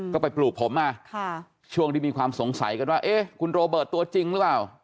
ก็ไปปลูกผมมาช่วงที่มีความสงสัยกันว่าเอ๊ะคุณโรเบิร์ตตัวจริงหรือเปล่า